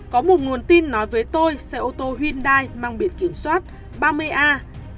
có một nguồn tin nói với tôi xe ô tô hyundai mang biệt kiểm soát